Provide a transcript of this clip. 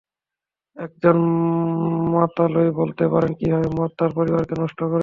একজন মাতালই বলতে পারবে কীভাবে মদ তার পরিবারকে নষ্ট করেছে।